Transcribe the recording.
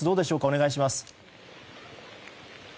お願いします。